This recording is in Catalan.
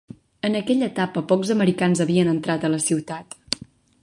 En aquella etapa, pocs americans havien entrat a la ciutat.